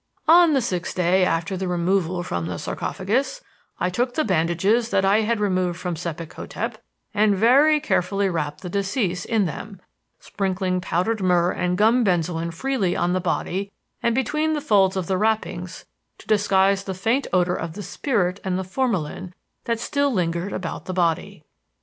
"On the sixth day after the removal from the sarcophagus, I took the bandages that I had removed from Sebek hotep and very carefully wrapped the deceased in them, sprinkling powdered myrrh and gum benzoin freely on the body and between the folds of the wrappings to disguise the faint odor of the spirit and the formalin that still lingered about the body.